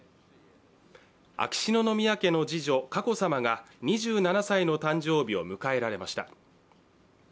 秋篠宮家の次女・佳子さまが２７歳の誕生日を迎えられました。